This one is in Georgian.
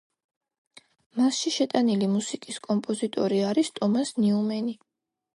მასში შეტანილი მუსიკის კომპოზიტორი არის ტომას ნიუმენი.